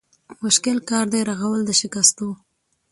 مشکل کار دی رغول د شکستو